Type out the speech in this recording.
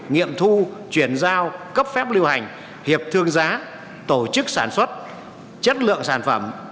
nghiệm thu chuyển giao cấp phép lưu hành hiệp thương giá tổ chức sản xuất chất lượng sản phẩm